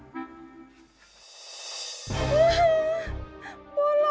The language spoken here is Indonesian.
jatuh segala lagi